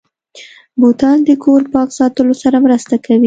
بوتل د کور پاک ساتلو سره مرسته کوي.